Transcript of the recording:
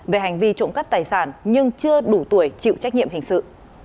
về hành vi trộm cắp tài sản nhưng chưa đủ tuổi chịu trách nhiệm hình sự